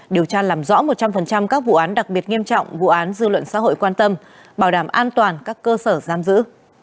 điều tra làm rõ một trăm linh các vụ án đặc biệt nghiêm trọng vụ án dư luận xã hội quan tâm bảo đảm an toàn các cơ sở giam giữ